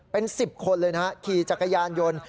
เป็น๑๐คนเลยนะฮะขี่จักรยานยนต์